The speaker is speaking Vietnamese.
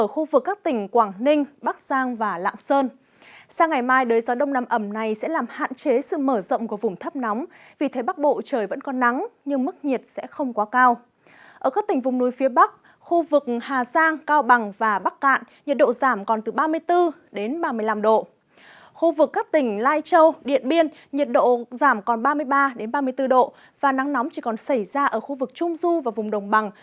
khu vực các tỉnh lai châu điện biên nhiệt độ giảm còn ba mươi ba ba mươi bốn độ và nắng nóng chỉ còn xảy ra ở khu vực trung du và vùng đồng bằng